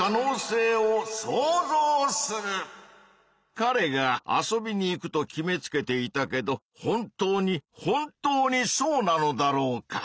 かれが遊びに行くと決めつけていたけど本当に本当にそうなのだろうか？